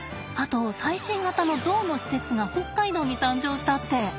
あと最新型のゾウの施設が北海道に誕生したって。